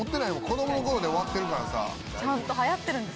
子供の頃で終わってるからさ。